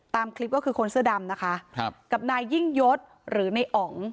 ตามคลิปก็คือคนเสื้อดำนะคะครับกับนายยิ่งยศหรือในอ๋อง